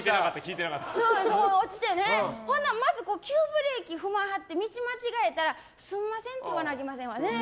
ほんなら、まず急ブレーキ踏みはって道間違えたら、すんませんって言わなあきまへんよね。